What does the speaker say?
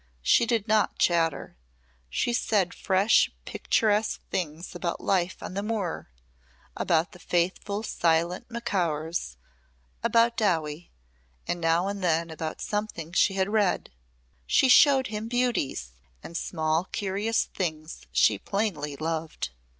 She did not chatter. She said fresh picturesque things about life on the moor, about the faithful silent Macaurs, about Dowie, and now and then about something she had read. She showed him beauties and small curious things she plainly loved.